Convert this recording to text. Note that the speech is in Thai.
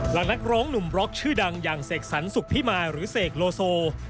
นักร้องหนุ่มบล็อกชื่อดังอย่างเสกสรรสุขพิมายหรือเสกโลโซ